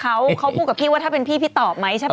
เขาเขาพูดกับพี่ว่าถ้าเป็นพี่พี่ตอบไหมใช่ป่